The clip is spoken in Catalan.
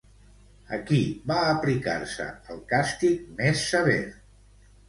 A qui va aplicar-se el càstig més sever?